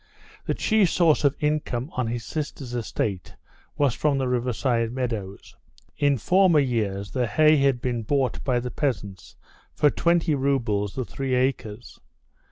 The chief source of income on his sister's estate was from the riverside meadows. In former years the hay had been bought by the peasants for twenty roubles the three acres.